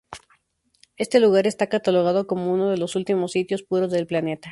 Este lugar está catalogado como uno de los últimos sitios puros del planeta.